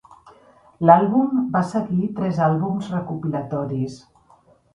L'àlbum va seguir tres àlbums recopilatoris.